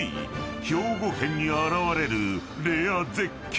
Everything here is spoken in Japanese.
［兵庫県に現れるレア絶景］